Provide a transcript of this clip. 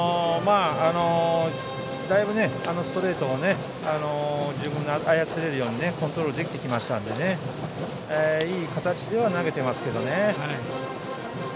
だいぶストレートが自分で操れるようにコントロールできてきましたからいい形では投げていますね。